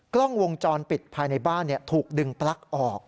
กล้องวงจรปิดภายในบ้านถูกดึงปลั๊กออก